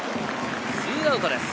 ２アウトです。